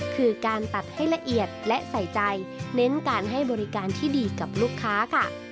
คือการตัดให้ละเอียดและใส่ใจเน้นการให้บริการที่ดีกับลูกค้าค่ะ